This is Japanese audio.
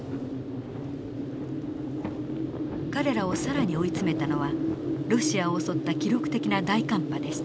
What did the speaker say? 彼らを更に追い詰めたのはロシアを襲った記録的な大寒波でした。